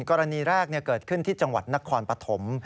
กรณีแรกเกิดขึ้นที่จังหวัดนครปฐม